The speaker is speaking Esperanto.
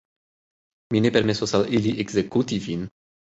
Mi ne permesos al ili ekzekuti vin.